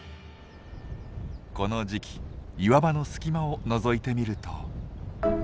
この時期岩場の隙間をのぞいてみると。